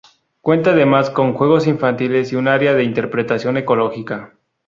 Cuenta además con juegos infantiles y un área de interpretación ecológica.